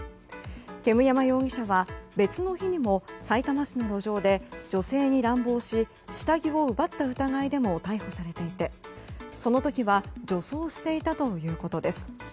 煙山容疑者は別の日にもさいたま市の路上で女性に乱暴し下着を奪った疑いでも逮捕されていてその時は女装していたということです。